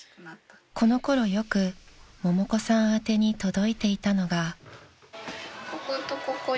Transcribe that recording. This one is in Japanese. ［このころよくももこさん宛てに届いていたのが］